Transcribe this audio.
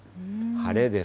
晴れです。